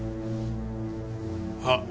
あっ。